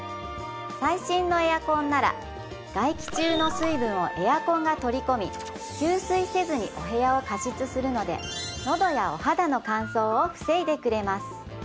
最新のエアコンなら外気中の水分をエアコンが取り込み給水せずにお部屋を加湿するのでのどやお肌の乾燥を防いでくれます